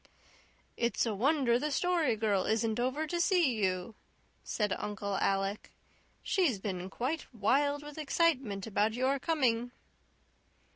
"It's a wonder the Story Girl isn't over to see you," said Uncle Alec. "She's been quite wild with excitement about your coming."